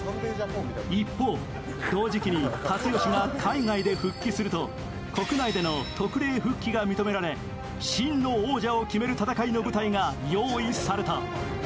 一方、同時期に辰吉が海外で復帰すると、国内での特例復帰が認められ真の王者を決める戦いの舞台が用意された。